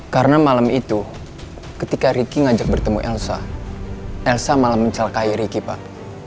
karena malam itu ketika riki ngajak bertemu elsa elsa malah mencelakai riki pak